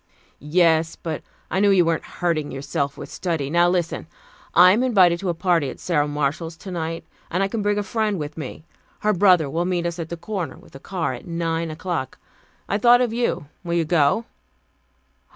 "Yes, but I knew you weren't hurting yourself with study. Now listen. I am invited to a party at Sara Marshall's tonight, and I can bring a friend with me. Her brother will meet us at the corner with a car, at nine o'clock. I thought of you. Will you go?"